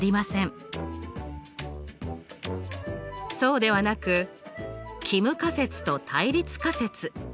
そうではなく帰無仮説と対立仮説